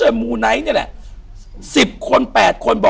อยู่ที่แม่ศรีวิรัยิลครับ